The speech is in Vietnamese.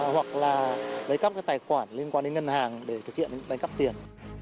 hoặc là lấy cắp các tài khoản liên quan đến ngân hàng để thực hiện đánh cắp tiền